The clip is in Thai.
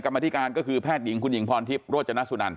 กรรมธิการก็คือแพทย์หญิงคุณหญิงพรทิพย์โรจนสุนัน